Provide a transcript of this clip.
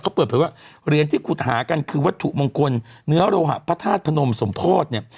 เขาเปิดเผยว่าเหรียญที่ขุดหากันคือวัตถุมงคลเนื้อโลหะพระธาตุพนมสมโพธิเนี่ย